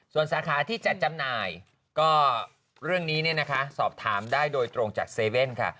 ส่วนสาขาที่จำหน่ายก็เรื่องนี้นะคะสอบถามได้โดยตรงจาก๗๑๑ค่ะ